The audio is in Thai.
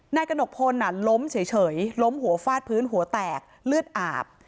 กระหนกพลล้มเฉยล้มหัวฟาดพื้นหัวแตกเลือดอาบ